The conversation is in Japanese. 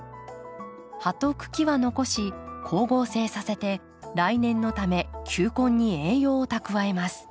葉と茎は残し光合成させて来年のため球根に栄養を蓄えます。